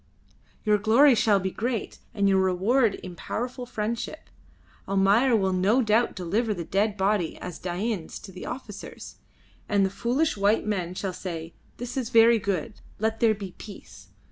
Your glory shall be great, and your reward in powerful friendship. Almayer will no doubt deliver the dead body as Dain's to the officers, and the foolish white men shall say, 'This is very good; let there be peace.'